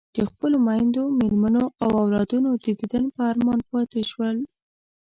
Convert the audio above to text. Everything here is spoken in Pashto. د خپلو میندو، مېرمنو او اولادونو د دیدن په ارمان پاتې شول.